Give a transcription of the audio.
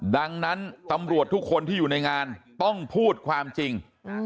ดังนั้นตำรวจทุกคนที่อยู่ในงานต้องพูดความจริง